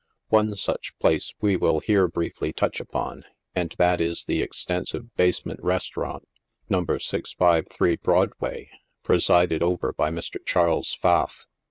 One such place we will here briefly touch upon, and that is the extensive basement restaurant, No. G53 Broadway, presided over by Mr. Charles Pfaff.